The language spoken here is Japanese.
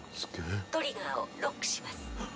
トリガーをロックします。